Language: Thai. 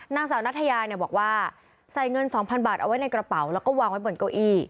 นางสาวนัทยาเนี่ยบอกว่าใส่เงิน๒๐๐บาทเอาไว้ในกระเป๋าแล้วก็วางไว้บนเก้าอี้